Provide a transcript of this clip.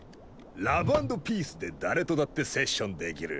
ラブ＆ピースで誰とだってセッションできる。